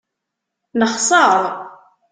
Nexser.